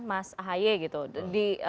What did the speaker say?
mas ahaye gitu di